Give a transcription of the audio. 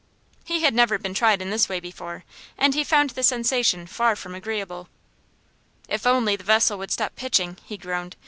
He had never been tried in this way before, and he found the sensation far from agreeable. "If only the vessel would stop pitching," he groaned.